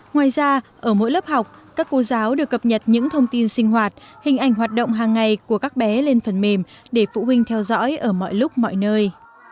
ngoài ra ở mỗi lớp học các cô giáo được cập nhật những thông tin sinh hoạt hình ảnh hoạt động hàng ngày của các bé lên phần mềm để phụ huynh theo dõi ở mọi lúc mọi nơi